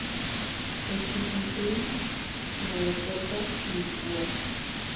Stephen Green al aeropuerto y Swords.